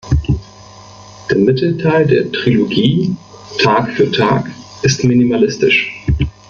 Der Mittelteil der Trilogie, "Tag für Tag", ist minimalistisch.